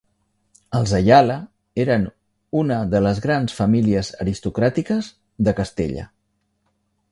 Els Ayala eren una de les grans famílies aristocràtiques de Castella.